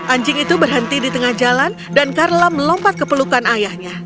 anjing itu berhenti di tengah jalan dan carla melompat ke pelukan ayahnya